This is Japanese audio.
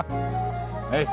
はい。